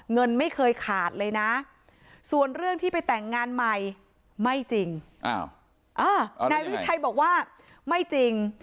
เงินไม่เคยขาดเลยนะส่วนเรื่องที่ไปแต่งงานใหม่ไม่จริงนายวิชัยบอกว่าไม่จริง